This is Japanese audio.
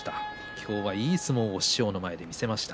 今日は、いい相撲を師匠の前で見せました。